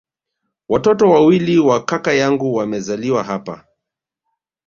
Watoto wawili wa kaka yangu wamezaliwa hapa